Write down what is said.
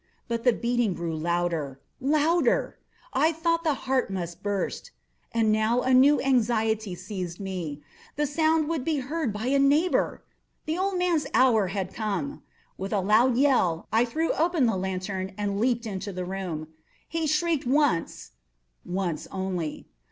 But the beating grew louder, louder! I thought the heart must burst. And now a new anxiety seized me—the sound would be heard by a neighbour! The old man's hour had come! With a loud yell, I threw open the lantern and leaped into the room. He shrieked once—once only.